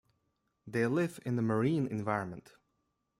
They live in a marine environment.